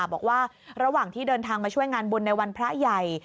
บอกว่าระหว่างที่เดินทางมาช่วยงานบุญในวันพระใหญ่